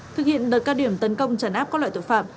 thực hiện được cao điểm tấn công chấn áp các loại tội phạm